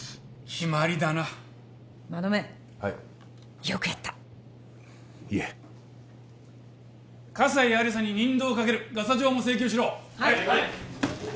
決まりだな馬目はいよくやったいえ葛西亜理紗に任同をかけるガサ状も請求しろはい！